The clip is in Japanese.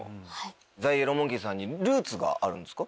ＴＨＥＹＥＬＬＯＷＭＯＮＫＥＹさんにルーツがあるんですか？